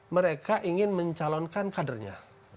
mereka ingin mencalonkan kadernya